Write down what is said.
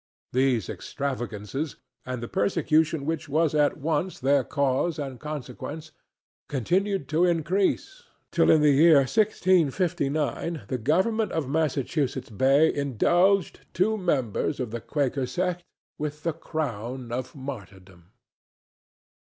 These extravagances, and the persecution which was at once their cause and consequence, continued to increase, till in the year 1659 the government of Massachusetts Bay indulged two members of the Quaker sect with the crown of martyrdom.